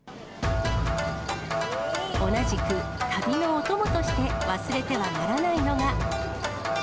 同じく旅のお供として忘れてはならないのが。